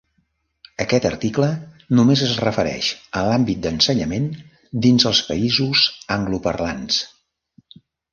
Aquest article només es refereix a l'àmbit de l'ensenyament dins els països angloparlants.